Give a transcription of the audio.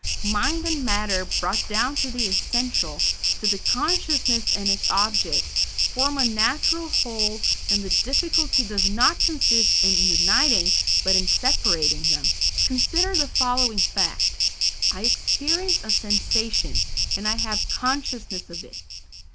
Mind and matter brought down to the essential, to the consciousness and its object, form a natural whole, and the difficulty does not consist in uniting but in separating them. Consider the following fact: "I experience a sensation, and I have consciousness of it."